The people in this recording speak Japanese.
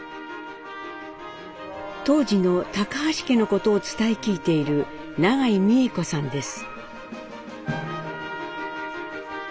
当時の橋家のことを伝え聞いている永井三重子さんです。